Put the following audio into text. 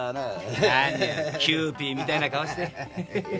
何をキューピーみたいな顔して。